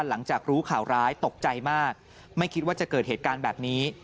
หลังจากรู้ข่าวร้ายตกใจมากไม่คิดว่าจะเกิดเหตุการณ์แบบนี้